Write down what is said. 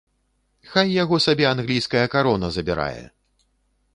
Хай яго сабе англійская карона забірае!